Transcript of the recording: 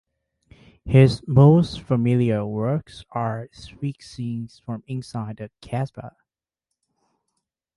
His most familiar works are street scenes from inside the Casbah.